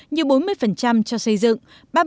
như bốn mươi cho xây dựng